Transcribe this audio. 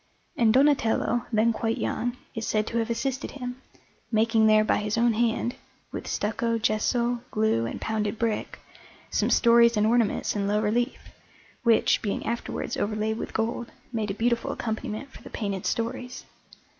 And Donatello, then quite young, is said to have assisted him, making there by his own hand, with stucco, gesso, glue, and pounded brick, some stories and ornaments in low relief, which, being afterwards overlaid with gold, made a beautiful accompaniment for the painted stories.